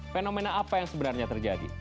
fenomena apa yang sebenarnya terjadi